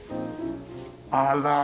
あら。